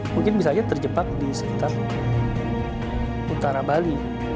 mungkin bisa saja terjebak di sekitar utara bali